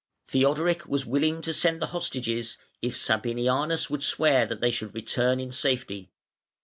Theodoric was willing to send the hostages if Sabinianus would swear that they should return in safety.